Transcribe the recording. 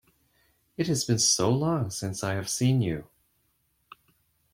It has been so long since I have seen you!